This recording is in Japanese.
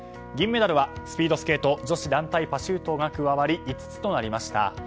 銀メダルはスピードスケート女子団体パシュートが加わり５つとなりました。